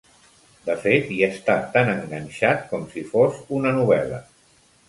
De fet, hi està tan enganxat com si fos una novel·la.